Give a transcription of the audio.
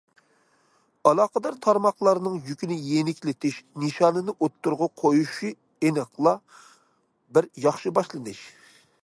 ئالاقىدار تارماقلارنىڭ يۈكنى يېنىكلىتىش نىشانىنى ئوتتۇرىغا قويۇشى ئېنىقلا بىر ياخشى باشلىنىش.